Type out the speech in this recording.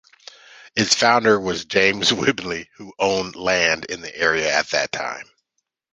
Its founder was James Wheble, who owned land in the area at that time.